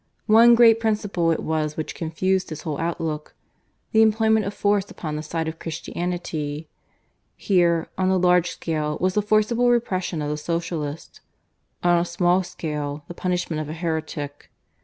One great principle it was which confused his whole outlook the employment of force upon the side of Christianity. Here, on the large scale, was the forcible repression of the Socialists; on a small scale, the punishment of a heretic.